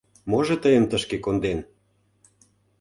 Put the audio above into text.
Можо мыйым тышке конден?